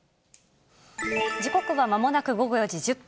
時刻はまもなく午後４時１０分。